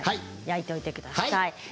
焼いておいてください。